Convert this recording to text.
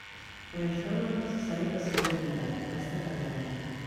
Per a això no és necessari que sigui admirat, basta que agradi.